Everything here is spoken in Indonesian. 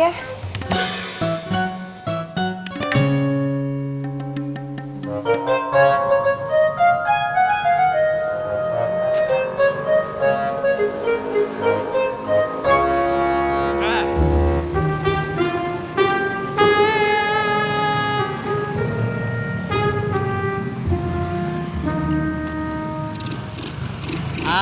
ya aku mau jalan